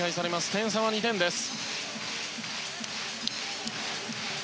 点差は２点です。